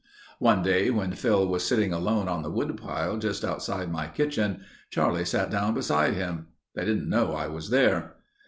"One day when Phil was sitting alone on the woodpile just outside my kitchen, Charlie sat down beside him. They didn't know I was there.